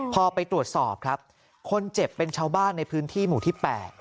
พอไปตรวจสอบครับคนเจ็บเป็นชาวบ้านในพื้นที่หมู่ที่๘